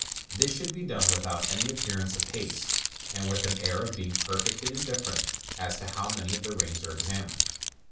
This should be done without any appearance of haste, and with an air of being perfectly indifferent as to how many of the rings are ex amined.